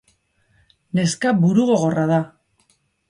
Neska burugogorra da.